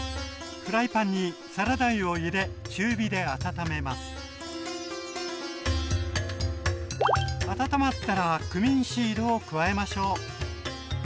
フライパンにサラダ油を入れ中火で温めます温まったらクミンシードを加えましょう。